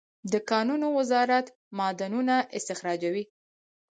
د کانونو وزارت معدنونه استخراجوي